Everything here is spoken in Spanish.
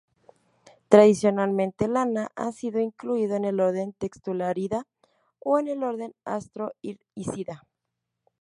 Tradicionalmente "Lana" ha sido incluido en el orden Textulariida o en el orden Astrorhizida.